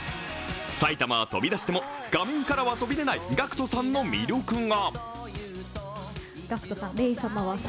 埼玉は飛び出しても画面からは飛び出ないＧＡＣＫＴさんの魅力が。